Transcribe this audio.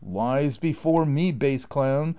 '' Lies before me, base clown !